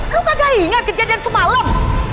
lu kagak ingat kejadian semalam